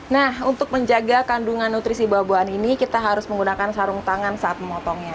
nah untuk menjaga kandungan nutrisi buah buahan ini kita harus menggunakan sarung tangan saat memotongnya